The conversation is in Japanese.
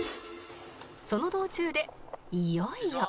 その道中でいよいよ